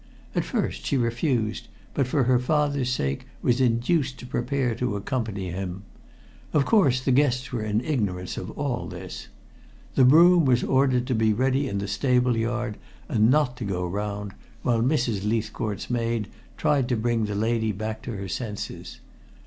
At first she refused, but for her father's sake was induced to prepare to accompany him. Of course, the guests were in ignorance of all this. The brougham was ordered to be ready in the stable yard and not to go round, while Mrs. Leithcourt's maid tried to bring the lady back to her senses.